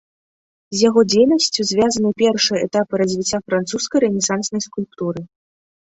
З яго дзейнасцю звязаны першыя этапы развіцця французскай рэнесанснай скульптуры.